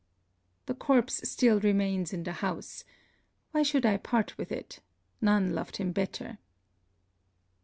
The corpse still remains in the house. Why should I part with it? None loved him better.